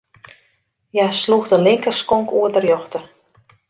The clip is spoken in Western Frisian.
Hja sloech de linkerskonk oer de rjochter.